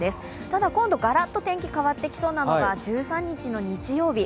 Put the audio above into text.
ただ、今度ガラッと天気変わってきそうなのが、１３日の日曜日。